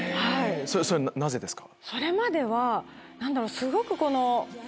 それはなぜですか？